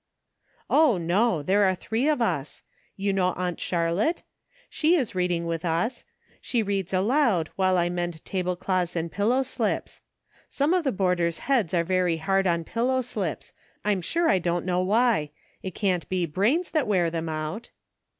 " O, no ! there are three of us. You know Aunt Charlotte .• She is reading with us ; she reads aloud, while I mend tablecloths and pillow slips ; some of the boarders' heads are very hard on pillow slips ; I'm sure I don't know why ; it can't be brains that wear them out."